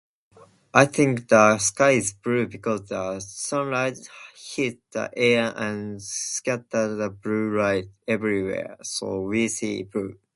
I think the sky's blue because the sunrise hits the air and scatters the blue light everywhere, so we see blue.